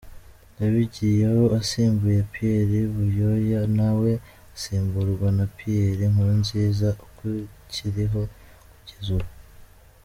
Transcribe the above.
Yagiyeho asimbuye Pierre Buyoya, na we asimburwa na Pierre Nkurunziza ukiriho kugeza ubu.